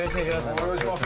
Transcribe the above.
お願いします。